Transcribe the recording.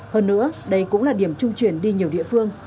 hơn nữa đây cũng là điểm trung chuyển đi nhiều địa phương